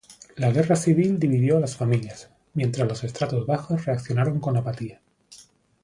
La guerra civil dividió a las familias, mientras los estratos bajos reaccionaron con apatía.